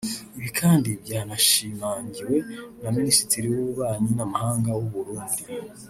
Ibi kandi byanashimangiwe na Minisitiri w’Ububanyi n’Amahanga w’u Burundi